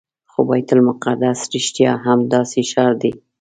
خو بیت المقدس رښتیا هم داسې ښار دی.